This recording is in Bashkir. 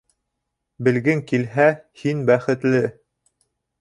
Белгең килһә, һин бәхетле.